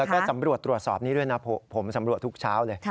แล้วก็สำรวจตรวจสอบนี้ด้วยนะผมสำรวจทุกเช้าเลย